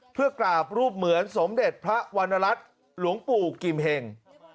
เพื่อกราบรูปเหมือนสมเด็จพระวรรณรัฐหลวงปู่กิมเห็ง